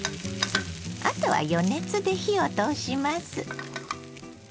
あとは余熱で火を通します。